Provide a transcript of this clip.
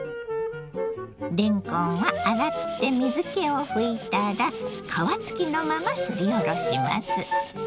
れんこんは洗って水けをふいたら皮付きのまますりおろします。